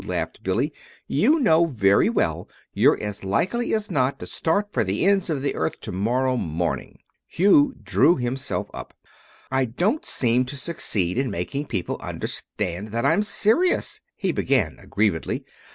laughed Billy. "You know very well you're as likely as not to start for the ends of the earth to morrow morning!" Hugh drew himself up. "I don't seem to succeed in making people understand that I'm serious," he began aggrievedly.